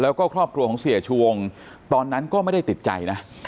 และครอบครัวตอนนั้นก็ไม่ได้ติดใจนะ